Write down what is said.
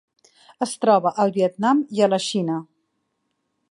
Es troba al Vietnam i la Xina.